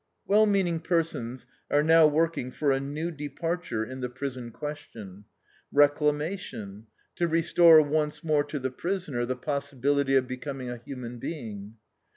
Well meaning persons are now working for a new departure in the prison question, reclamation, to restore once more to the prisoner the possibility of becoming a human being.